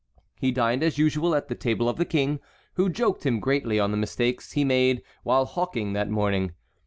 He dined as usual at the table of the King, who joked him greatly on the mistakes he had made while hawking that morning.